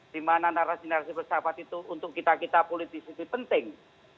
di mana narasi narasi bersahabat itu untuk kita kita politisi itu penting